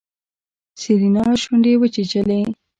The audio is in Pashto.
سېرېنا شونډې وچيچلې.